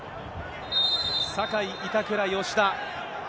酒井、板倉、吉田。